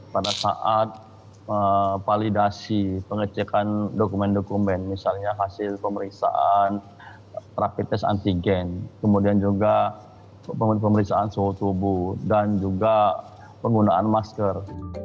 pada saat validasi pengecekan dokumen dokumen misalnya hasil pemeriksaan rapid test antigen kemudian juga pemeriksaan suhu tubuh dan juga penggunaan masker